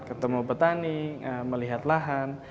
ketemu petani melihat lahan